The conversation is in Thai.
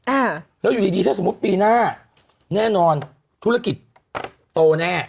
อ่าแล้วอยู่ดีดีถ้าสมมุติปีหน้าแน่นอนธุรกิจโตแน่